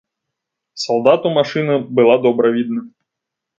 Салдату машына была добра відна.